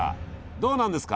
どうなんですか？